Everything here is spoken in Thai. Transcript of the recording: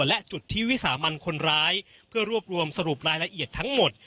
และจุดที่วิสามันคนร้ายเพื่อรวบรวมสรุปรายละเอียดทั้งหมด